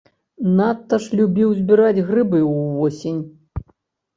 Надта ж любіў збіраць грыбы ўвосень.